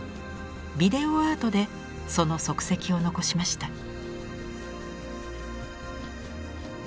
ビデオアートでその足跡を残しました。